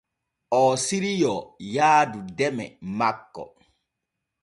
Oo siriyoo yaadu deme makko.